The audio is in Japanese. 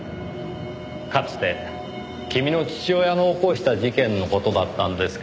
かつて君の父親の起こした事件の事だったんですから。